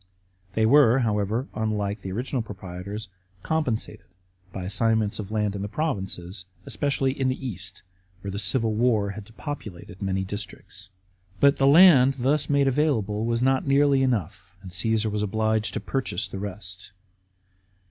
They were, however — unlike the original proprietors — compensated by assign ments of land in the provinces, especially in the East, where the civil war had depopulated many districts. But the land thus made available was not nearly enough, and Caasar was obliged to purchase the rest.